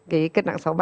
cái cân nặng sáu mươi ba